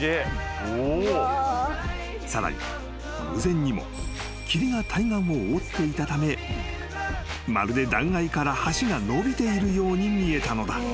［さらに偶然にも霧が対岸を覆っていたためまるで断崖から橋が伸びているように見えたのだ］